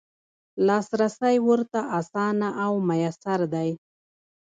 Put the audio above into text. لاسرسی ورته اسانه او میسر دی.